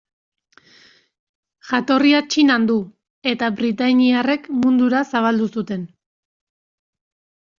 Jatorria Txinan du, eta britainiarrek mundura zabaldu zuten.